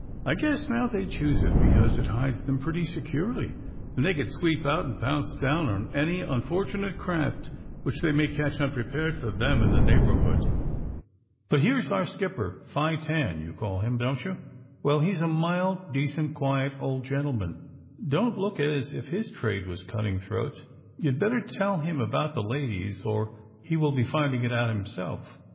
"I guess now they choose it because it hides them pretty securely, and they can sweep out and pounce down on any unfortunate craft which they may catch unprepared for them in the neighbourhood. But here's our skipper; Fi Tan you call him, don't you? Well, he's a mild, decent, quiet old gentleman; don't look as if his trade was cutting throats. You'd better tell him about the ladies, or he will be finding it out himself."